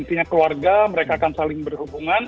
artinya keluarga mereka akan saling berhubungan